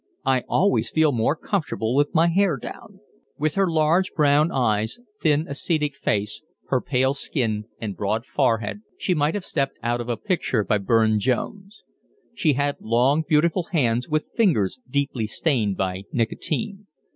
"I always feel more comfortable with my hair down." With her large brown eyes, thin, ascetic face, her pale skin, and broad forehead, she might have stepped out of a picture by Burne Jones. She had long, beautiful hands, with fingers deeply stained by nicotine.